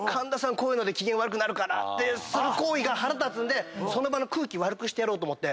こういうので機嫌悪くなるから」ってする行為が腹立つんでその場の空気悪くしてやろうと思って。